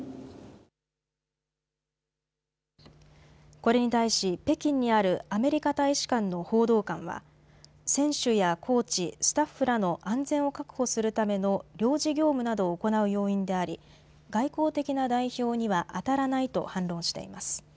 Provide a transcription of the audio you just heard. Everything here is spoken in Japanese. これに対し北京にあるアメリカ大使館の報道官は選手やコーチ、スタッフらの安全を確保するための領事業務などを行う要員であり外交的な代表にはあたらないと反論しています。